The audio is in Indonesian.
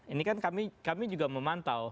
ini kan kami juga memantau